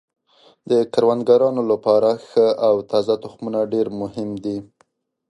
د کروندګرانو لپاره ښه او تازه تخمونه ډیر مهم دي.